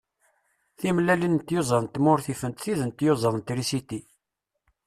Timellalin n tyuẓaḍ n tmurt ifent tid n tyuẓaḍ n trisiti.